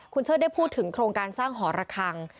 คุณเชิดได้พูดถึงโครงการสร้างหอระคัง